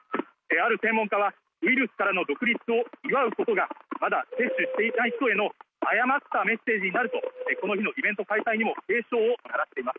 ある専門家はウイルスからの独立を祝うことがまだ接種していない人への誤ったメッセージになると、この日のイベント開催にも警鐘を鳴らしています。